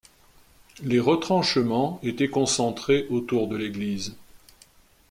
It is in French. Les retranchements étaient concentrés autour de l'église.